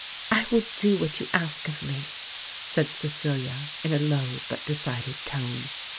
"I will do what you ask of me," said Cecilia, in a low but decided tone.